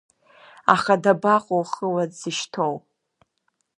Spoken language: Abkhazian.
Аха дабаҟоу хыла дзышьҭоу?